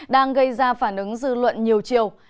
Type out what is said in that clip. đang gây ra phản ứng dư luận nhiều chiều